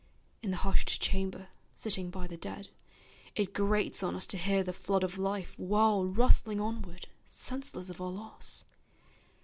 In the hushed chamber, sitting by the dead, It grates on us to hear the flood of life Whirl rustling onward, senseless of our loss.